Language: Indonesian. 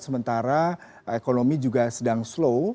sementara ekonomi juga sedang slow